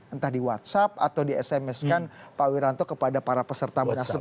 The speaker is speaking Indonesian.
entah di whatsapp atau di sms kan pak wiranto kepada para peserta munaslup